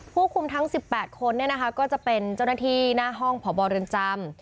ผู้คุมทั้ง๑๘คนก็จะเป็นเจ้าหน้าที่หน้าห้องพบเรือนจำ